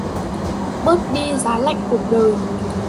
Bớt đi giá lạnh cuộc đời